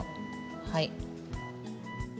はい。